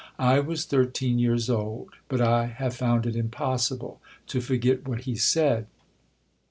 I was thirteen years old, but I have found it impossible to forget what he said.